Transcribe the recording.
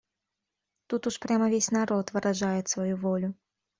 Тут уж прямо весь народ выражает свою волю.